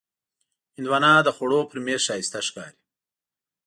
هندوانه د خوړو پر میز ښایسته ښکاري.